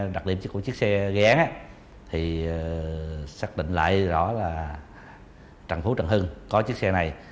đặc điểm của chiếc xe g kat sẽ xác định lại rõ là trần phú trần hưng có chiếc xe này